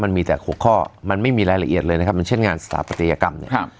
มันมีแต่๖ข้อมันไม่มีรายละเอียดเลยนะครับมันเช่นงานสถาปัตยกรรมเนี่ย